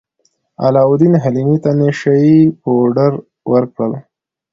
علاوالدین حلیمې ته نشه يي پوډر ورکړل.